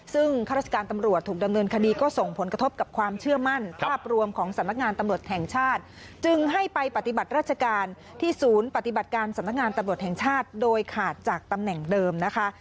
ซึ่งข้าราชการตำรวจถูกดำเนินคดีก็ส่งผลกระทบกับความเชื่อมั่นภาพรวมของสำนักงานตำรวจแห่งชาติจึงให้ไปปฏิบัติราชการที่ศูนย์ปฏิบัติการสำนักงานตำรวจแห่งชาติโดยขาดจากตำแหน่งเดิมนะคะ